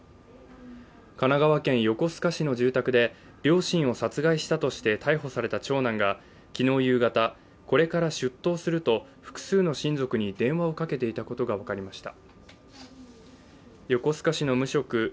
神奈川県横須賀市の住宅で両親を殺害したとして逮捕された長男が昨日夕方、これから出頭すると、複数の親族に電話をかけていたことがわかりました。